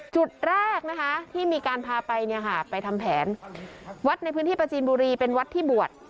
จุดแรกนะคะที่มีการพาไปเนี่ยค่ะไปทำแผนวัดในพื้นที่ประจีนบุรีเป็นวัดที่บวช